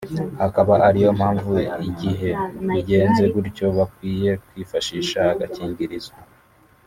Akaba ariyo mpamvu igihe bigenze gutyo bakwiye kwifashisha agakingirizo